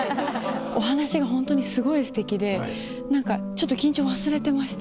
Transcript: お話がホントにすごいステキでちょっと緊張忘れてました。